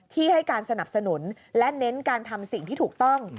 ให้การสนับสนุนและเน้นการทำสิ่งที่ถูกต้อง